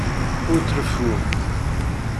Ur treffum.